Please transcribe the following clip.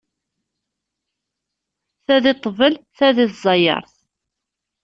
Ta di ṭṭbel, ta di tẓayeṛt.